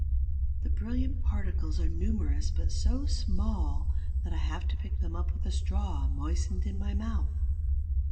The brilliant particles are numerous, but so small that I have to pick them up with a straw moistened in my mouth.